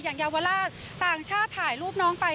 เยาวราชต่างชาติถ่ายรูปน้องไป